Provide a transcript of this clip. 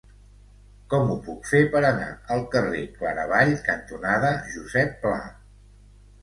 Com ho puc fer per anar al carrer Claravall cantonada Josep Pla?